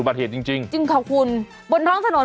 วันนี้จะเป็นวันนี้